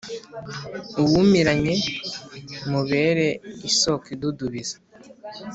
uwumiranye mubere isoko idudubiza ;